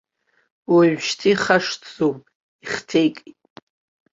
Уажәшьҭа ихашҭӡом, ихҭеикит.